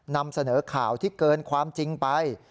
นำเสนอข่าวที่เกินความจริงไป